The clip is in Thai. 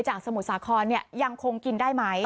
สมุทรสาครยังคงกินได้ไหม